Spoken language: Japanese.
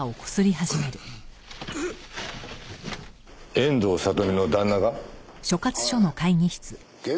遠藤里実の旦那が？